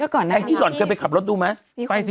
แก่ที่ก่อนเคยไปขับรถดูไหม